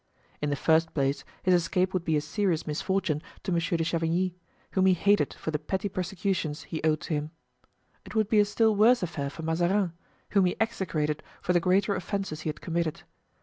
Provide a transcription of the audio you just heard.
In the first place his escape would be a serious misfortune to Monsieur de Chavigny, whom he hated for the petty persecutions he owed to him. It would be a still worse affair for Mazarin, whom he execrated for the greater offences he had committed.